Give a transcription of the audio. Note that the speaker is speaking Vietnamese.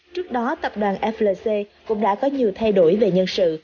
trước đó tập đoàn flc cũng đã có nhiều thay đổi về nhân sự